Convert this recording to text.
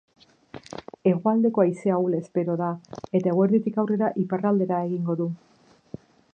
Hegoaldeko haize ahula espero da, eta eguerditik aurrera iparraldera egingo du.